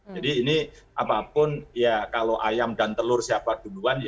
jadi ini apapun ya kalau ayam dan telur siapa duluan